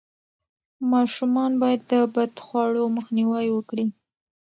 ماشومان باید د بدخواړو مخنیوی وکړي.